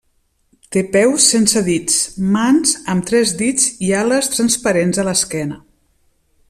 Té peus sense dits, mans amb tres dits i ales transparents a l'esquena.